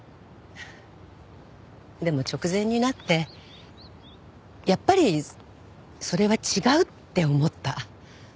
でも直前になってやっぱりそれは違うって思った。